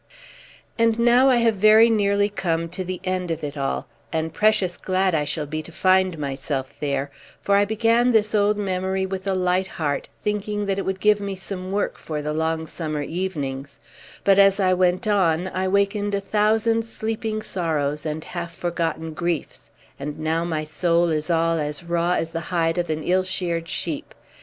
And now I have very nearly come to the end of it all, and precious glad I shall be to find myself there; for I began this old memory with a light heart, thinking that it would give me some work for the long summer evenings, but as I went on I wakened a thousand sleeping sorrows and half forgotten griefs, and now my soul is all as raw as the hide of an ill sheared sheep.